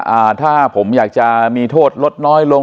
อ่าถ้าผมอยากจะมีโทษลดน้อยลง